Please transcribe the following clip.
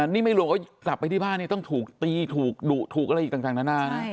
นี่ไม่รู้ทรัพย์ไปที่บ้านนี้ต้องถูกตีถูกดุถูกอะไรอีกต่างหน้านาน